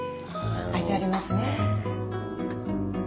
味ありますね。